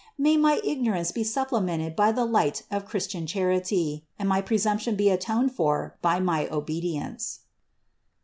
May my ignorance be supplemented by the light of Christian THE INCARNATION 83 charity and my presumption be atoned for by my obedience.